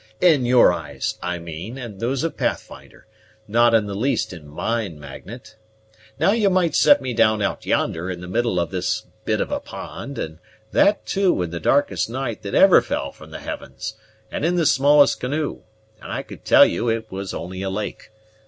"In your eyes, I mean, and those of Pathfinder; not in the least in mine, Magnet. Now you might set me down out yonder, in the middle of this bit of a pond, and that, too, in the darkest night that ever fell from the heavens, and in the smallest canoe, and I could tell you it was only a lake.